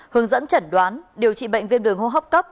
hướng dẫn chẩn đoán điều trị bệnh viêm đường hô hấp cấp